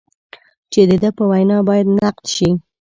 چې د ده په وینا باید نقد شي.